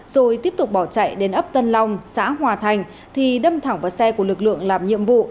rồi tiếp tục bỏ chạy đến ấp tân long xã hòa thành thì đâm thẳng vào xe của lực lượng làm nhiệm vụ